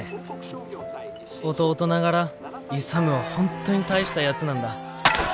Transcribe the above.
弟ながら勇は本当に大したやつなんだ。